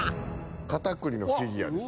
カタクリのフィギュアです。